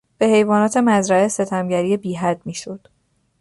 به حیوانات مزرعه ستمگری بیحد میشد.